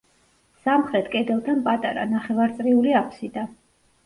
სამხრეთ კედელთან პატარა, ნახევარწრიული აფსიდა.